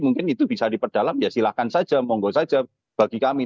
mungkin itu bisa diperdalam ya silahkan saja monggo saja bagi kami